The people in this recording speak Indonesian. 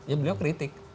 ya beliau kritik